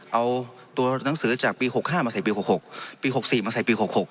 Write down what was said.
เอาตัวหนังสือจากปีหกห้ามาใส่ปีหกหกปีหกสี่มาใส่ปีหกหก